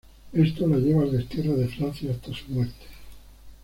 Esto la llevó al destierro de Francia hasta su muerte.